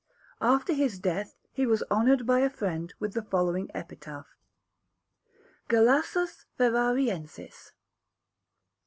After his death he was honoured by a friend with the following epitaph: GALASSUS FERRARIENSIS.